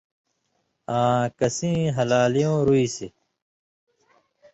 آں کسیں ہلالیُوں رُوئیسیۡ